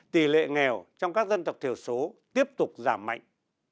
tỷ lệ nghèo trong các dân tộc thiểu số tiếp tục giảm mạnh